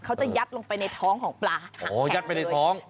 เขาจะยัดลงไปในท้องของปลาหางแข็งเลย